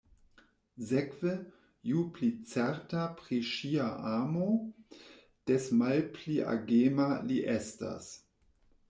Sekve, ju pli certa pri ŝia amo, des malpli agema li estas.